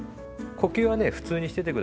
呼吸はね普通にしてて下さいね。